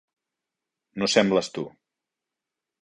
No sembles tu.